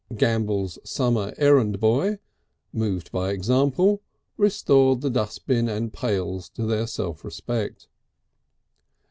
Gambell's summer errand boy, moved by example, restored the dustbin and pails to their self respect.